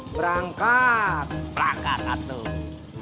berangkat berangkat tuh